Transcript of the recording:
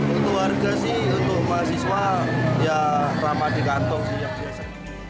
untuk warga sih untuk mahasiswa ya ramah di kantong sih yang biasa